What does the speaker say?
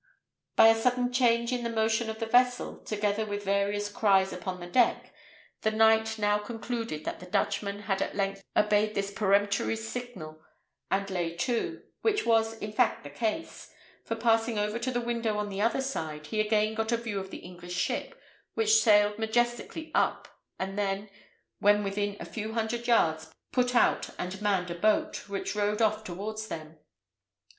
By a sudden change in the motion of the vessel, together with various cries upon the deck, the knight now concluded that the Dutchman had at length obeyed this peremptory signal and lay to, which was in fact the case; for passing over to the window on the other side, he again got a view of the English ship, which sailed majestically up, and then, when within a few hundred yards, put out and manned a boat, which rowed off towards them.